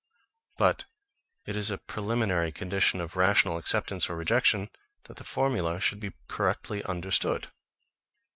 But it is a preliminary condition of rational acceptance or rejection, that the formula should be correctly understood.